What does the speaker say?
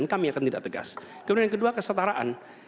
kemudian yang kedua kesetaraan